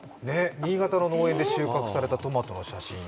新潟の農園で収穫されたトマトの写真。